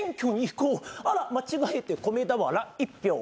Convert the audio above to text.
あら間違えて米俵１俵。